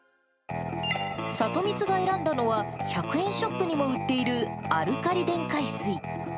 サトミツが選んだのは、１００円ショップにも売っているアルカリ電解水。